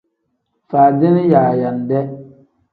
Faadini yaayande.